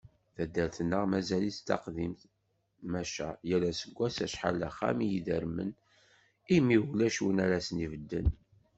Taddart-nneɣ mazal-itt d taqdimt, maca yal aseggas acḥal d axxam i idermen, imi ulac win ara asen-ibedden.